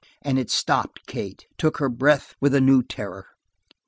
And it stopped Kate took her breath with a new terror.